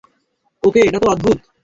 ওকে, এটা তো অদ্ভুত।